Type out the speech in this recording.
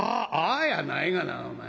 「ああやないがなお前」。